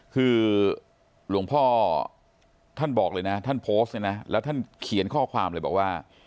คือหลวงพ่อท่านบอกเลยนะท่านโพสต์เนี่ยนะแล้วท่านเขียนข้อความเลยบอกว่า